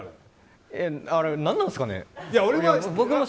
あれ、何なんですかね。